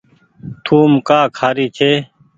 ٿوم ڪآ کآري ڇي۔